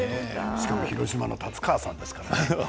しかも広島の達川さんですからね。